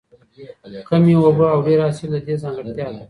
کمې اوبه او ډېر حاصل د دې ځانګړتیا ده.